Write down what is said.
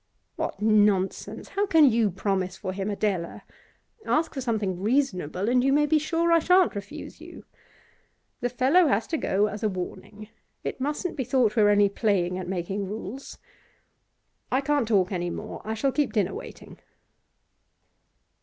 'What nonsense! How can you promise for him, Adela? Ask for something reasonable, and you may be sure I shan't refuse you. The fellow has to go as a warning. It mustn't be thought we're only playing at making rules. I can't talk any more; I shall keep dinner waiting.